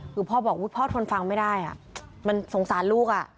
คือพ่อบอกพ่อทนฟังไม่ได้มันสงสารลูกอ่ะ